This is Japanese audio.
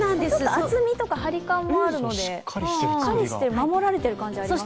厚みとか張り感もあるのでしっかりして守られてる感があります。